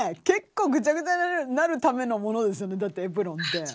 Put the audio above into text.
結構ぐちゃぐちゃになるためのものですよねだってエプロンって。